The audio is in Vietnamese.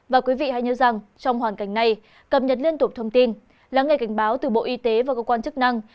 và quý vị hãy nhớ rằng trong hoàn cảnh này cập nhật liên tục thông tin lắng nghe cảnh báo từ bộ y tế và cơ quan chức năng